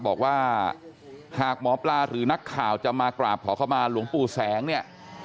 บอกว่าหากหมอปลาหรือนักข่าวจะมากราบขอเข้ามาหลวงปู่แสงเนี่ย